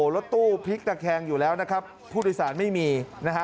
รถตู้พลิกตะแคงอยู่แล้วนะครับผู้โดยสารไม่มีนะฮะ